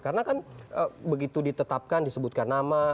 karena kan begitu ditetapkan disebutkan nama